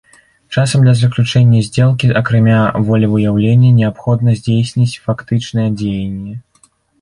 Часам для заключэння здзелкі, акрамя волевыяўлення, неабходна здзейсніць фактычныя дзеянні.